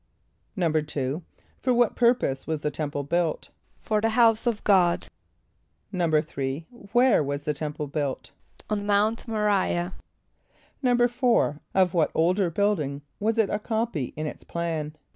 = =2.= For what purpose was the temple built? =For the house of God.= =3.= Where was the temple built? =On Mount M[+o] r[=i]´ah.= =4.= Of what older building was it a copy in its plan?